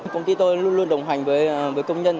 công ty tôi luôn luôn đồng hành với công nhân